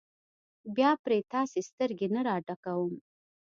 بیا پرې تاسې سترګې نه راډکوم.